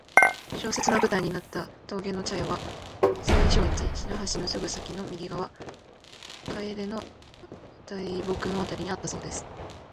小説の舞台になった峠の茶屋は水生地・白橋のすぐ先の右側、桂の大木のあたりにあったそうです。